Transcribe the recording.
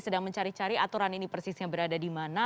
sedang mencari cari aturan ini persisnya berada di mana